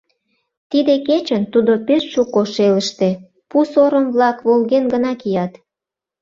Тиде кечын тудо пеш шуко шелыште, пу сорым-влак волген гына кият.